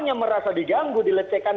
hanya merasa diganggu dilecehkan